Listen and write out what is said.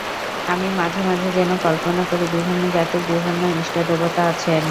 আমি মাঝে মাঝে যেন কল্পনা করি, বিভিন্ন জাতির বিভিন্ন ইষ্টদেবতা আছেন।